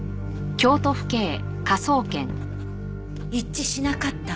一致しなかった？